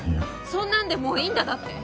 そんなんでもういいんだだって？